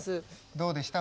どうでした？